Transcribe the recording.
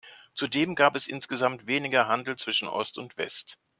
Zudem gab es insgesamt weniger Handel zwischen Ost und West.